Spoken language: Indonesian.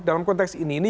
dalam konteks ini